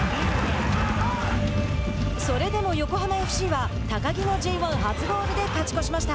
それでも横浜ＦＣは高木のＪ１初ゴールで勝ち越しました。